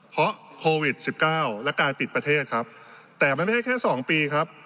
เพราะโควิดสิบเก้าและการปิดประเทศครับแต่มันไม่ใช่แค่สองปีครับ